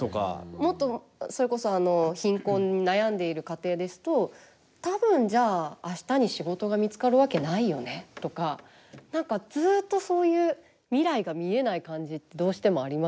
もっとそれこそ貧困に悩んでいる家庭ですと多分じゃあ明日に仕事が見つかるわけないよねとか何かずっとそういう未来が見えない感じってどうしてもありますよね。